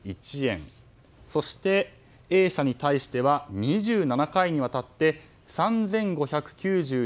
そして、Ａ社に対しては２７回にわたって３５９２万４６９１円。